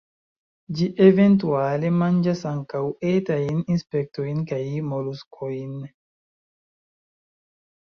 Ĝi eventuale manĝas ankaŭ etajn insektojn kaj moluskojn.